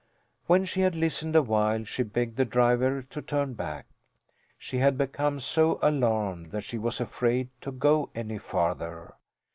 When she had listened a while she begged the driver to turn back. She had become so alarmed that she was afraid to go any farther.